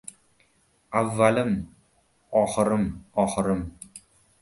Avvalim… oxirim, oxirim…